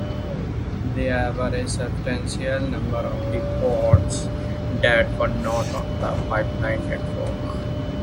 There were a substantial number of depots that were not on the pipeline network.